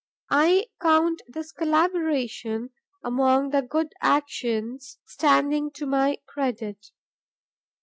I count this collaboration among the good actions standing to my credit.